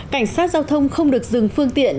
cảnh sát giao thông không được dừng phương tiện